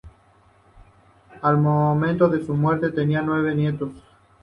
Al momento de su muerte, tenía nueve nietos.